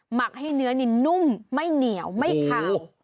หมักให้เนื้อนี่นุ่มไม่เหนียวไม่ขาว